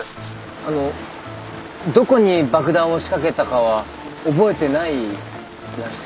あのどこに爆弾を仕掛けたかは覚えてないらしくて。